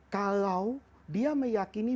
kalau dia meyakini